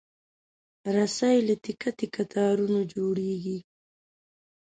رسۍ له تکه تکه تارونو جوړېږي.